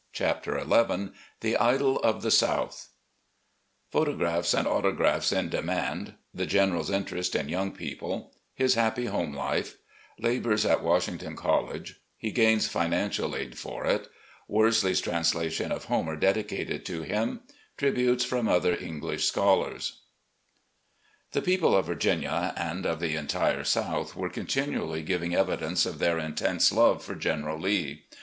CHAPTER XI The Idol of the South PHOTOGRAPHS AND AUTOGRAPHS IN DEMAND — THE GEN ERAL'S INTEREST IN YOUNG PEOPLE — HIS HAPPY HOME LIFE — LABOURS AT WASHINGTON COLLEGE — HE GAINS FINANCIAL AID FOR IT — WORSLEY's TRANSLATION OF HOMER DEDICATED TO HIM — ^TRIBUTES FROM OTHER ENGLISH SCHOLARS The people of Virginia and of the entire South were continually giving evidence of their intense love for General Lee.